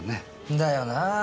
だよなぁ。